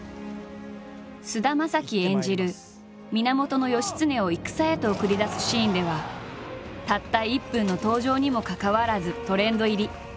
菅田将暉演じる源義経を戦へと送り出すシーンではたった１分の登場にもかかわらずトレンド入り。